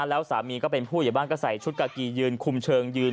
แล้วสามีก็เป็นผู้ใหญ่บ้านก็ใส่ชุดกากียืนคุมเชิงยืน